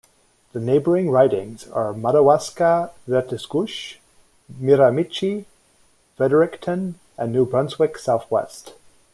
The neighbouring ridings are Madawaska-Restigouche, Miramichi, Fredericton, and New Brunswick Southwest.